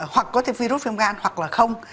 hoặc có virus viêm gan hoặc là không